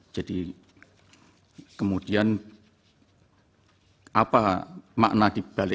jadi kemudian apa makna dibalik kata penugasan